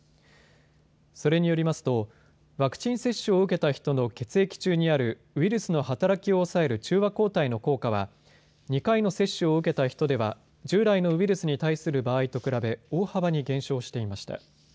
それによりますとワクチン接種を受けた人の血液中にあるウイルスの働きを抑える中和抗体の効果は２回の接種を受けた人では従来のウイルスに対する場合と比べ、大幅に減少していました。